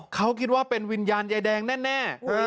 เขาคิดว่าเป็นวิญญาณยายแดงแน่